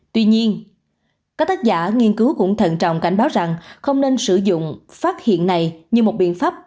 tuy nhiên các tác giả nghiên cứu cũng thận trọng cảnh báo rằng không nên sử dụng phát hiện này như một biện pháp